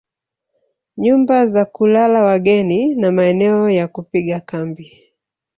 Nyumba za kulala wageni na maeneo ya kupigia kambi